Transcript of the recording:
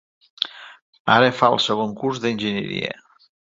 Ara fa el segon curs d'enginyeria.